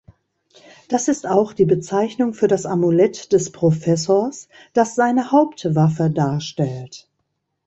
Das ist auch die Bezeichnung für das Amulett des Professors, das seine Hauptwaffe darstellt.